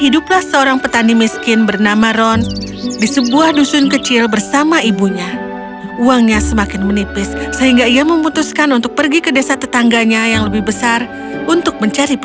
dongeng bahasa indonesia